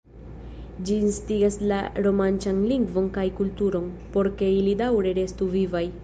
Ĝi instigas la romanĉan lingvon kaj kulturon, por ke ili daŭre restu vivaj.